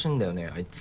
あいつ。